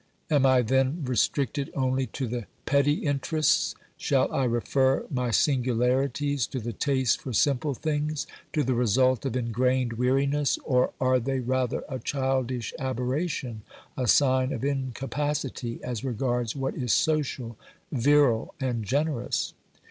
Am I then restricted only to the petty interests ? Shall 94 OBERMANN I refer my singularities to the taste for simple things, to the result of ingrained weariness, or are they rather a childish aberration, a sign of incapacity as regards what is social, virile and generous